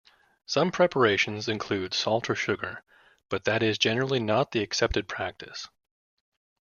Some preparations include salt or sugar, but that is generally not the accepted practice.